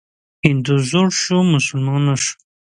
هندو زوړ شو مسلمان نه شو.